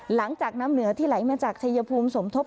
หลังจากน้ำเหนือที่ไหลมาจากชายภูมิสมทบ